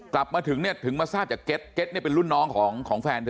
กลับมาถึงเนี่ยถึงมาทราบจากเก็ตเก็ตเนี่ยเป็นรุ่นน้องของแฟนเธอ